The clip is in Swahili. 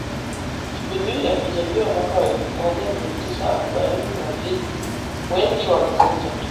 Kibedui aliyezaliwa mwaka wa elfu moja mia tisa arobaini na mbiliWengi walimuita tu